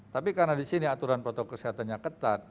tapi karena disini aturan protokol kesehatannya ketat